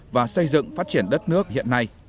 và xây dựng phát triển đất nước hiện nay